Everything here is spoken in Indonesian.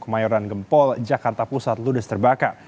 kemayoran gempol jakarta pusat ludes terbakar